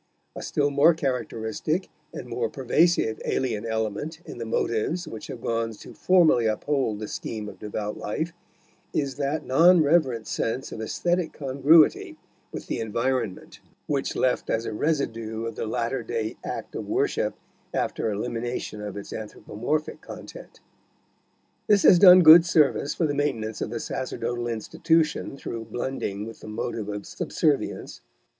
A still more characteristic and more pervasive alien element in the motives which have gone to formally uphold the scheme of devout life is that non reverent sense of aesthetic congruity with the environment, which is left as a residue of the latter day act of worship after elimination of its anthropomorphic content. This has done good service for the maintenance of the sacerdotal institution through blending with the motive of subservience.